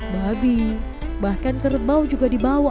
babi bahkan kerbau juga dibawa